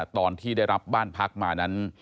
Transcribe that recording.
ตอนที่ได้รับบ้านพักมานั้น